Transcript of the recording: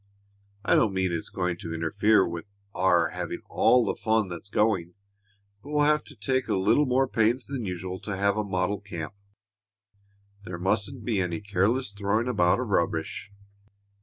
I don't mean it's going to interfere with our having all the fun that's going, but we'll have to take a little more pains than usual to have a model camp. There mustn't be any careless throwing about of rubbish.